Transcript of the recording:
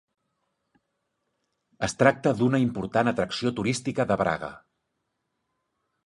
Es tracta d'una important atracció turística de Braga.